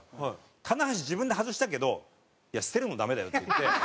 棚橋自分で外したけど「いや捨てるのダメだよ」って言って。